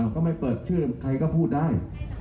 ก็ไม่เปิดชื่อใครก็พูดได้